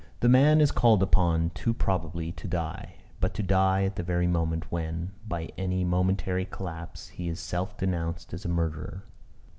The man is called upon, too probably, to die; but to die at the very moment when, by any momentary collapse, he is self denounced as a murderer.